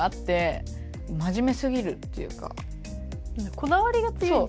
こだわりが強いんだ。